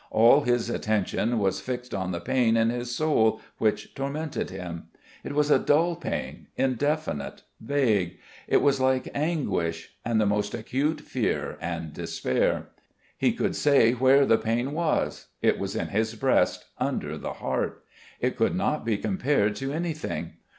All his attention was fixed on the pain of his soul which tormented him. It was a dull pain, indefinite, vague; it was like anguish and the most acute fear and despair. He could say where the pain was. It was in his breast, under the heart. It could not be compared to anything.